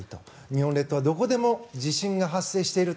日本列島はどこでも地震が発生している。